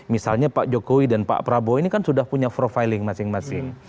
misalnya pak jokowi dan pak prabowo ini kan sudah punya profiling masing masing